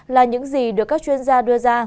là những gì được các chuyên gia đưa ra